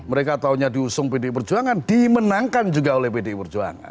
mereka taunya diusung pdi perjuangan dimenangkan juga oleh pdi perjuangan